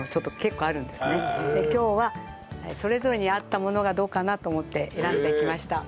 今日はそれぞれに合ったものがどうかなと思って選んできました。